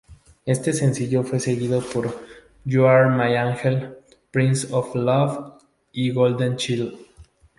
Este sencillo fue seguido por "You're My Angel", "Prince of Love" y "Golden Child".